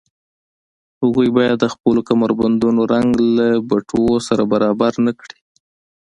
هغوی باید د خپلو کمربندونو رنګ له بټوو سره برابر نه کړي